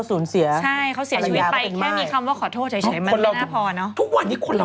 นั่งใส่สีชมพูเหรอ